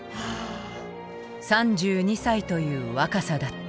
３２歳という若さだった。